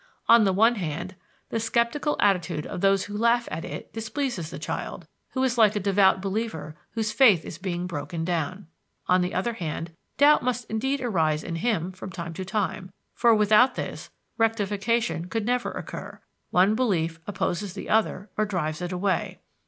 On the one hand, the skeptical attitude of those who laugh at it displeases the child, who is like a devout believer whose faith is being broken down. On the other hand, doubt must indeed arise in him from time to time, for without this, rectification could never occur one belief opposes the other or drives it away.